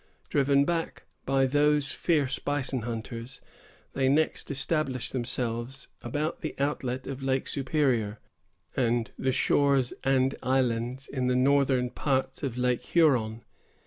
Driven back by those fierce bison hunters, they next established themselves about the outlet of Lake Superior, and the shores and islands in the northern parts of Lake Huron.